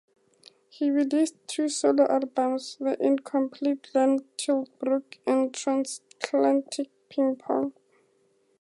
He released two solo albums, "The Incomplete Glenn Tilbrook" and "Transatlantic Ping Pong".